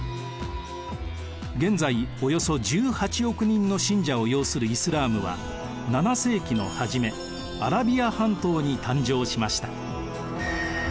現在およそ１８億人の信者を擁するイスラームは７世紀の初めアラビア半島に誕生しました。